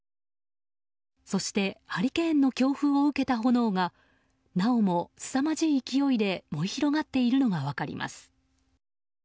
そして、ハリケーンの強風を受けた炎がなおもすさまじい勢いで燃え広がっているのが分かります。